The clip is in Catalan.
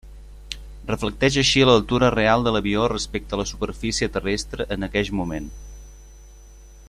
Reflecteix així l'altura real de l'avió respecte a la superfície terrestre en aqueix moment.